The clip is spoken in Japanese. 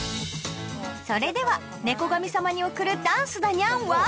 それでは猫神さまに送る「ダンスだニャン」は？